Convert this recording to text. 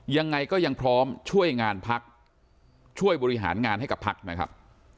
ยังไงก็ยังพร้อมช่วยงานพักช่วยบริหารงานให้กับพักนะครับ